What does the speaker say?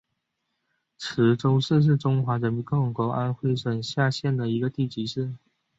池州市是中华人民共和国安徽省下辖的地级市。